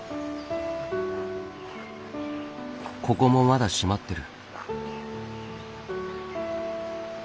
ここもまだ閉まってる。